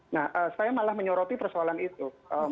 nah saya malah menyoroti persoalan itu